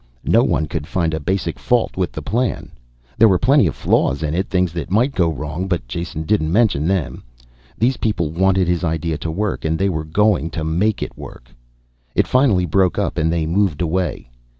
No one could find a basic fault with the plan. There were plenty of flaws in it, things that might go wrong, but Jason didn't mention them. These people wanted his idea to work and they were going to make it work. It finally broke up and they moved away.